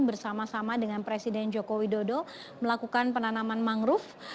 bersama sama dengan presiden joko widodo melakukan penanaman mangrove